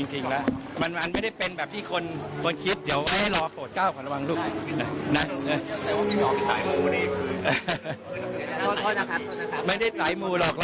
ครับเป็นภาพจริงครับ